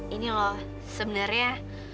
ini loh sebenernya